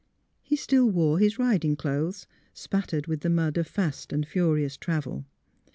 He still wore his riding clothes, spattered with the mud of fast and furious travel.